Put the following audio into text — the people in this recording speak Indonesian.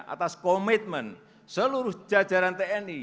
atas komitmen seluruh jajaran tni